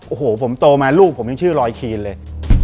โอ้โหผมโตมาลูกผมยังชื่อรอยคีนเลย